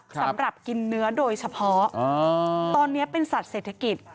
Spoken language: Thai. สำหรับกินเนื้อโดยเฉพาะตอนนี้เป็นสัตว์เศรษฐกิจ